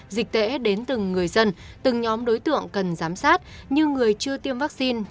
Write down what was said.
dịch tễ đến từng người dân từng nhóm đối tượng cần giám sát như người chưa tiêm vaccine